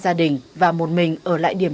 đã được mở tại đây